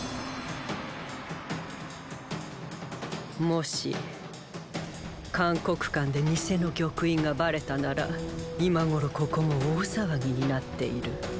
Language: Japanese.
もし函谷関で偽の玉印がバレたなら今頃ここも大騒ぎになっている。